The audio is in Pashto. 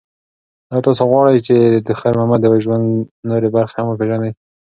ایا تاسو غواړئ چې د خیر محمد د ژوند نورې برخې هم وپیژنئ؟